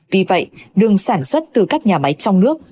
vì vậy đường sản xuất từ các nhà máy trong nước